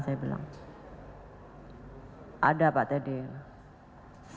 ada pak teddy